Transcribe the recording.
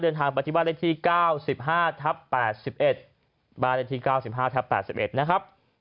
เดินทางปฏิบัติที่๙๕๘๑นะครับ